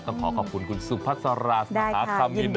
ต้องขอขอบคุณคุณสุภาษารามหาคำมิน